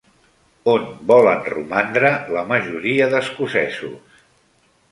On volen romandre la majoria d'escocesos?